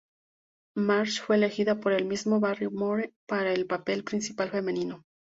Marsh fue elegida por el mismo Barrymore para el papel principal femenino.